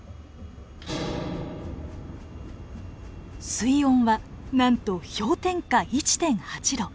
水温はなんと氷点下１．８度。